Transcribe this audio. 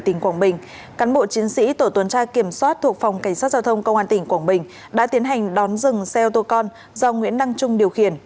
tỉnh quảng bình cán bộ chiến sĩ tổ tuần tra kiểm soát thuộc phòng cảnh sát giao thông công an tỉnh quảng bình đã tiến hành đón dừng xe ô tô con do nguyễn đăng trung điều khiển